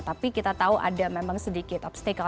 tapi kita tahu ada memang sedikit obstacle